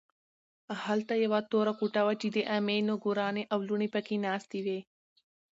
هلته یوه توره کوټه وه چې د عمه نګورانې او لوڼې پکې ناستې وې